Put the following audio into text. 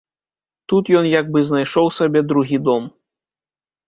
Тут ён як бы знайшоў сабе другі дом.